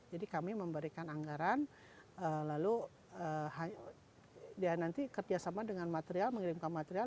jadi kami memberikan anggaran lalu dia nanti kerjasama dengan material mengirimkan material